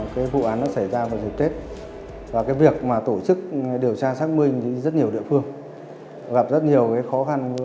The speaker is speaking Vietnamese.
cái vụ án nó xảy ra vào dịp tết và cái việc mà tổ chức điều tra xác minh thì rất nhiều địa phương gặp rất nhiều cái khó khăn